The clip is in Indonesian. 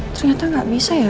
ternyata gak bisa ya